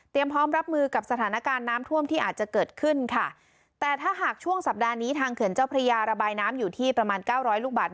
พร้อมรับมือกับสถานการณ์น้ำท่วมที่อาจจะเกิดขึ้นค่ะแต่ถ้าหากช่วงสัปดาห์นี้ทางเขื่อนเจ้าพระยาระบายน้ำอยู่ที่ประมาณเก้าร้อยลูกบาท